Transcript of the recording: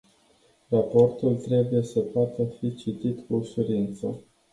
Raportul trebuie să poată fi citit cu ușurință.